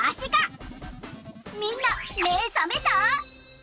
みんなめさめた？